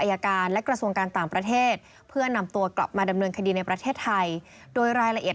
แต่เป็นเรื่องนอกราชนาจักรครับ